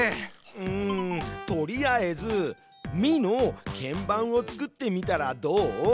うんとりあえず「ミ」の鍵盤を作ってみたらどう？